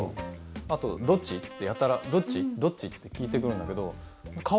あとやたら「どっち？どっち？」って聞いて来るんだけど。